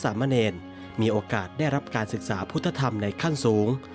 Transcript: เพราะหากพระพิสุทธิ์ส่งและสามเมณมีโอกาสได้รับการศึกษาพุทธธรรมในขั้นสูง